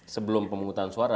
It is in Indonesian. sebelum pemungutan suara